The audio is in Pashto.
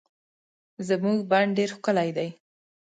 زمونږ بڼ ډير ښکلي دي